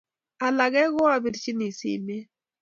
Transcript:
alake ko abirchini simet